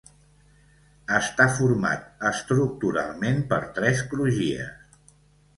Està formant estructuralment per tres crugies.